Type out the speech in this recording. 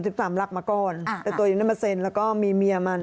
สิบสามลักษณ์มาก่อนแต่ตัวเองไม่เมื่อเซ็นแล้วก็มีเมียมัน